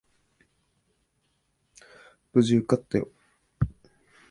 無事受かったよ。